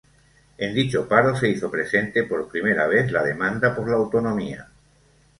En dicho paro se hizo presente por primera vez la demanda por la autonomía.